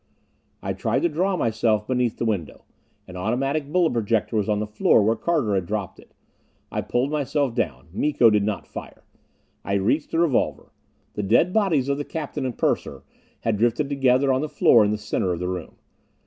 I tried to draw myself beneath the window. An automatic bullet projector was on the floor where Carter had dropped it. I pulled myself down. Miko did not fire. I reached the revolver. The dead bodies of the captain and purser had drifted together on the floor in the center of the room.